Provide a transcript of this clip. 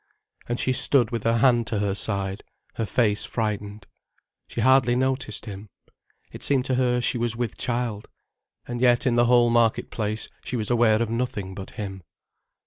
And she stood with her hand to her side, her face frightened. She hardly noticed him. It seemed to her she was with child. And yet in the whole market place she was aware of nothing but him.